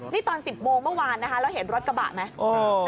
นี่ตอน๑๐โมงเมื่อวานนะคะแล้วเห็นรถกระบะไหม